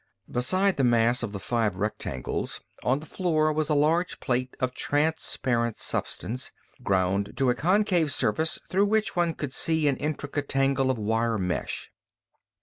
Beside the mass of the five rectangles, on the floor, was a large plate of transparent substance, ground to a concave surface, through which one could see an intricate tangle of wire mesh.